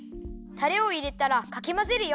たれをいれたらかきまぜるよ。